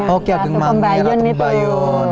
oh kia gengmangir atau kebayun